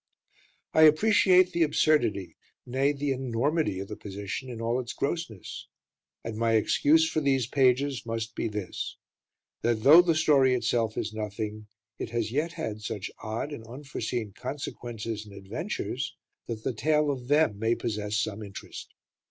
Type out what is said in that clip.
I appreciate the absurdity, nay, the enormity of the position in all its grossness. And my excuse for these pages must be this: that though the story itself is nothing, it has yet had such odd and unforeseen consequences and adventures that the tale of them may possess some interest.